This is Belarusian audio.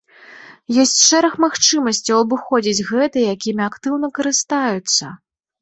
Ёсць шэраг магчымасцяў абыходзіць гэта, якімі актыўна карыстаюцца.